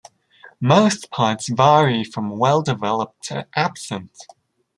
Mouthparts vary from well-developed to absent.